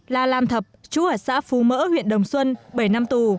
là làm thập chú ở xã phú mỡ huyện đồng xuân bảy năm tù